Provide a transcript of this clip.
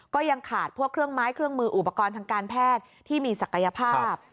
ก็ยังขาดพวกเครื่องไม้เครื่องมืออุปกรณ์ทางการแพทย์ที่มีศักยภาพ